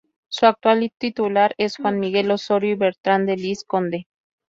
Su actual titular es Juan Miguel Osorio y Bertrán de Lis, conde.